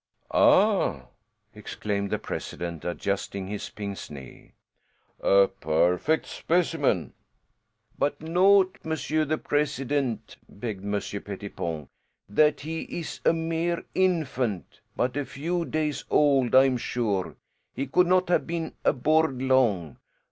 "Ah," exclaimed the president, adjusting his pince nez, "a perfect specimen!" "But note, monsieur the president," begged Monsieur Pettipon, "that he is a mere infant. But a few days old, I am sure. He could not have been aboard long.